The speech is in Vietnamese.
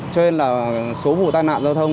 cho nên là số vụ tai nạn giao thông